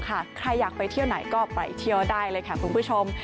ใครอยากไปเที่ยวไหนก็ไปเที่ยวได้เลยค่ะคุณผู้ชม